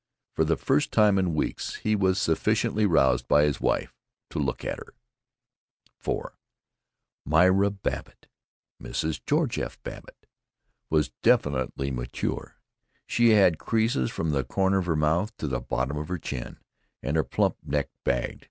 For the first time in weeks he was sufficiently roused by his wife to look at her. IV Myra Babbitt Mrs. George F. Babbitt was definitely mature. She had creases from the corners of her mouth to the bottom of her chin, and her plump neck bagged.